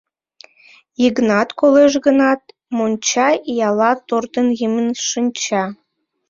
Йыгнат колеш гынат, монча ияла туртын-йымен шинча.